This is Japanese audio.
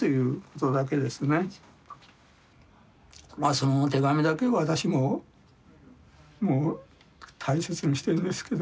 その手紙だけは私ももう大切にしてるんですけど。